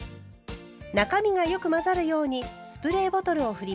中身がよく混ざるようにスプレーボトルを振ります。